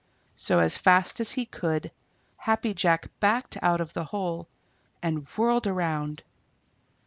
So as fast as he could, Happy Jack backed out of the hole and whirled around.